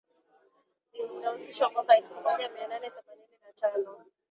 lililohalalishwa mwaka wa elfu moja mia nane themanini na tano